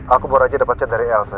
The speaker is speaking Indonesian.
aku baru aja dapetin dari elsa